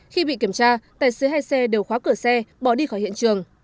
khi bị kiểm tra tài xế hai xe đều khóa cửa xe bỏ đi khỏi hiện trường